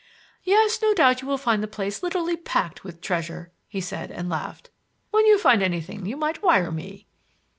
"Yes; no doubt you will find the place literally packed with treasure," he said, and laughed. "When you find anything you might wire me."